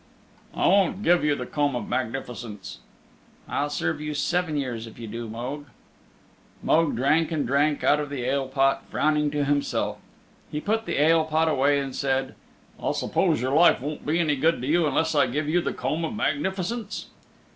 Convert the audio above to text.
"I won't give you the Comb of Magnificence." "I'll serve you seven years if you do, Mogue." Mogue drank and drank out of the ale pot, frowning to himself. He put the ale pot away and said, "I suppose your life won't be any good to you unless I give you the Comb of Magnificence?"